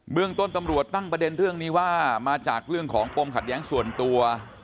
เรื่องต้นตำรวจตั้งประเด็นเรื่องนี้ว่ามาจากเรื่องของปมขัดแย้งส่วนตัว